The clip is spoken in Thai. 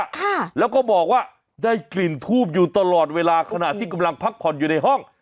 ค่ะแล้วก็บอกว่าได้กลิ่นทูบอยู่ตลอดเวลาขณะที่กำลังพักผ่อนอยู่ในห้อง